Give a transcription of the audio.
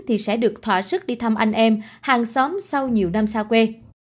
thì sẽ được thỏa sức đi thăm anh em hàng xóm sau nhiều năm xa quê